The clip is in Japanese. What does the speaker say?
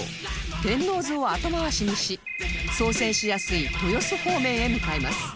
天王洲を後回しにし操船しやすい豊洲方面へ向かいます